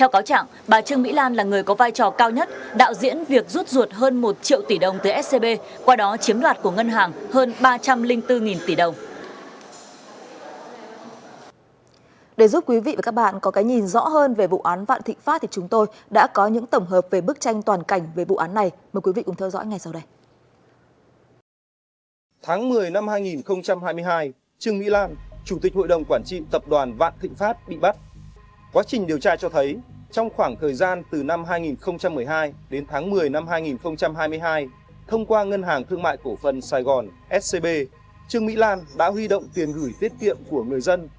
cổ phân sài gòn scb trương mỹ lan đã huy động tiền gửi tiết kiệm của người dân